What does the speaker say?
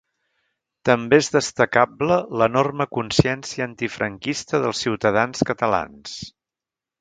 També és destacable l’enorme consciència antifranquista dels ciutadans catalans.